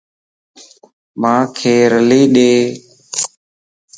مانک رلي ڏي